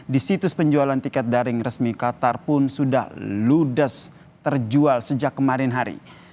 di situs penjualan tiket daring resmi qatar pun sudah ludes terjual sejak kemarin hari